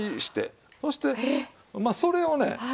そしてそれをね